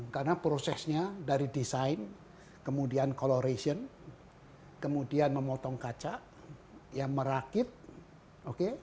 karena prosesnya dari desain kemudian coloration kemudian memotong kaca ya merakit oke